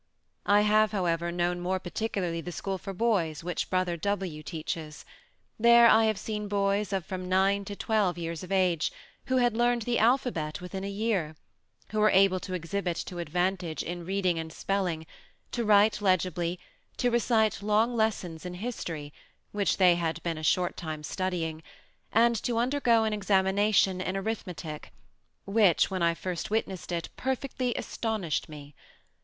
I have, however, known more particularly the school for boys which brother W teaches, there I have seen boys of from 9 to 12 years of age, who had learned the alphabet within a year, who were able to exhibit to advantage, in reading and spelling, to write legibly, to recite long lessons in History, which they had been a short time studying, and to undergo an examination in Arithmetic, which when I first witnessed it, perfectly astonished me.